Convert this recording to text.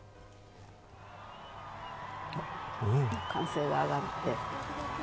歓声が上がって。